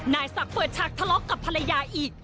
นายศักดิ์เปิดฉากทะเลาะกับภรรยาอีก